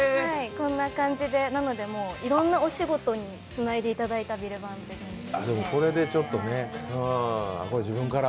こんな感じで、なのでいろんなお仕事につないでいただいたヴィレヴァンという感じです。